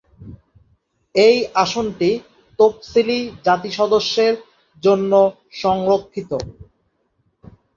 এই আসনটি তফসিলি জাতি সদস্যের জন্য সংরক্ষিত।